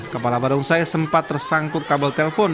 kepala barongsai sempat tersangkut kabel telpon